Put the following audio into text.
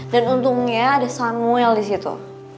dan untungnya ada samuel disitu